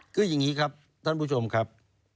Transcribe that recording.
คืออย่างนี้ครับท่านผู้ชมครับ